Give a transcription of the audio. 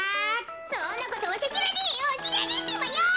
そんなことわしゃしらねえよしらねえってばよ！